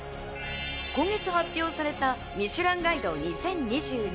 今月発表された『ミシュランガイド東京２０２２